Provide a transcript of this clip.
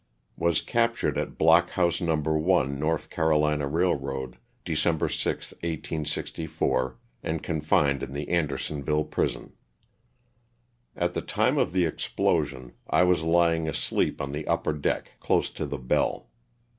Was captured at Block House No. 1, North Carolina Eailroad, December 6, 1864, and confined in the Andersonville prison. At the time of the explosion I was lying asleep on the upper deck, close to the bell.